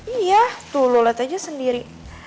iya tuh lo liat aja sendiri